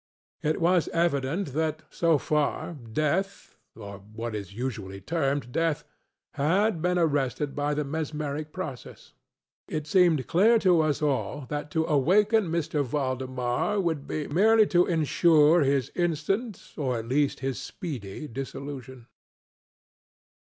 It was evident that, so far, death (or what is usually termed death) had been arrested by the mesmeric process. It seemed clear to us all that to awaken M. Valdemar would be merely to insure his instant, or at least his speedy, dissolution.